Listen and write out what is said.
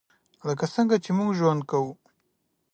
لکه څنګه چې موږ ژوند کوو .